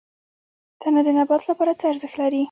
تنه د نبات لپاره څه ارزښت لري؟